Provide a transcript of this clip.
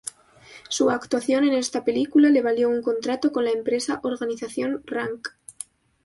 Su actuación en esta película le valió un contrato con la empresa Organización Rank.